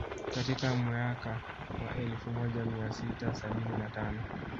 Katika mweaka wa elfu moja mia sita sabini na tano